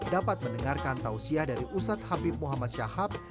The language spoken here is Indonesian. dapat mendengarkan tausiah dari ustadz habib muhammad syahab